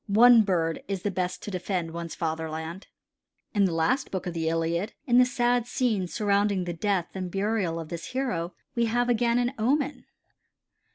One bird is the best to defend one's fatherland." In the last book of the Iliad in the sad scenes surrounding the death and burial of this hero we have again an omen.